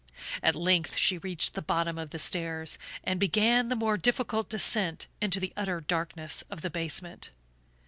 At length she reached the bottom of the stairs and began the more difficult descent into the utter darkness of the basement.